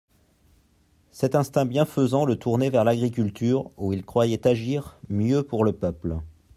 Cet instinct bienfaisant le tournait vers l'agriculture où il croyait agir mieux pour le peuple.